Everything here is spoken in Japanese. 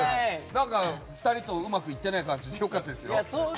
何か２人とうまくいってない感じで良かったですよ。